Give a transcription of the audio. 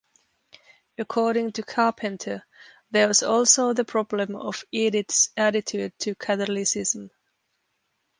According to Carpenter, There was also the problem of Edith's attitude to Catholicism.